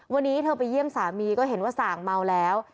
วันนี้เธอไปเยี่ยมสามีก็เห็นว่าส่างเมาแล้ว